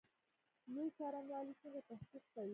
لوی څارنوالي څنګه تحقیق کوي؟